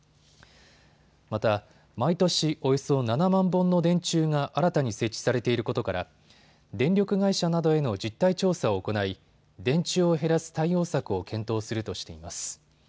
また、毎年およそ７万本の電柱が新たに設置されていることから電力会社などへの実態調査を行い電柱を減らす対応策を検討するとしています。